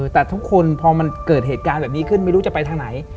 แต่ทุกคนพอมันเกิดเหตุการณ์แบบนี้ขึ้นไม่รู้จะไปทางไหน